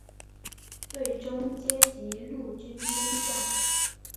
最终阶级陆军中将。